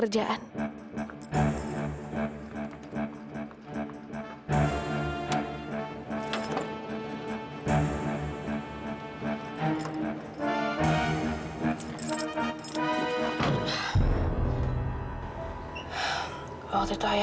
rizky buka pintunya